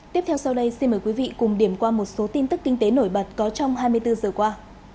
tiếp theo sau đây xin mời quý vị cùng điểm qua một số tin tức kinh tế nổi bật có trong hai mươi bốn giờ qua